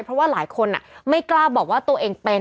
เพราะว่าหลายคนไม่กล้าบอกว่าตัวเองเป็น